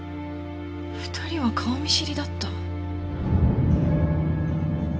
２人は顔見知りだった。